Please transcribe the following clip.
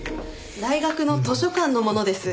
大学の図書館のものです。